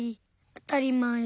あたりまえ。